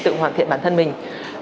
tự hoàn thiện bản thân mình